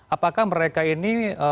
apakah mereka ini